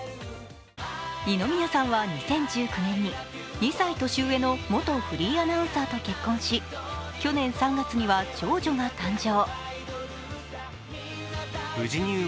二宮さんは２０１９年に２歳年上の元フリーアナウンサーと結婚し去年３月には長女が誕生。